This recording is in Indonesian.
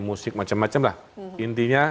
musik macam macam lah intinya